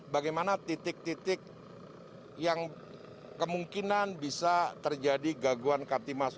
bagaimana titik titik yang kemungkinan bisa terjadi gaguan kaktimas